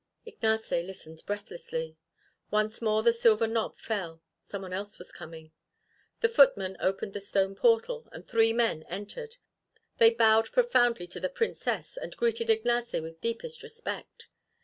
Ignace listened breathlessly. Once more the silver knob fell. Someone else was coming. The footman opened the stone portal, and three men entered. They bowed profoundly to the Princess and greeted Ignace with deepest respect.